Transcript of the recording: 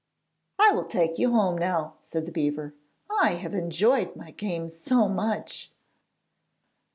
'I will take you home now,' said the beaver; 'I have enjoyed my game so much.'